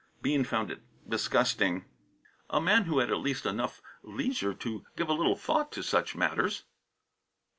Bean found it disgusting a man who had at least enough leisure to give a little thought to such matters.